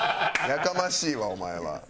やかましいわお前は。